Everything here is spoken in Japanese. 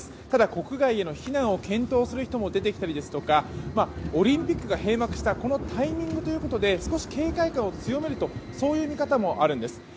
ただ、国外への避難を検討する人も出てきたりとかオリンピックが閉幕したこのタイミングということで少し警戒感を強めるという見方もあるんです。